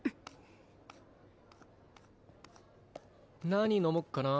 何飲もっかな。